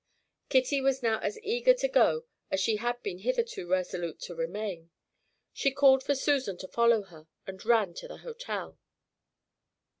Kitty was now as eager to go as she had been hitherto resolute to remain. She called for Susan to follow her, and ran to the hotel.